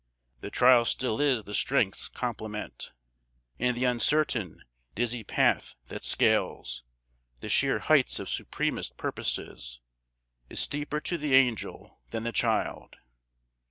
The trial still is the strength's complement, And the uncertain, dizzy path that scales The sheer heights of supremest purposes Is steeper to the angel than the child.